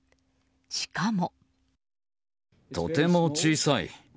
しかも。